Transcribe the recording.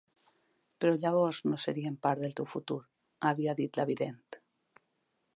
"Però llavors no serien part del teu futur", havia dit la vident.